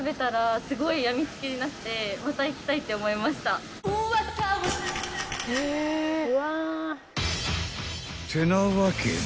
［ってなわけで］